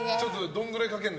どのぐらいかけるの？